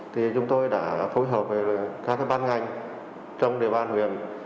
thì chúng tôi đã phối hợp với các bán ngành trong địa bàn huyền